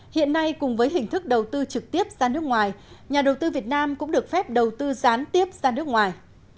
hiện nay cùng với hình thức đầu tư trực tiếp ra nước ngoài nhà đầu tư việt nam cũng được phép đầu tư gián tiếp ra nước ngoài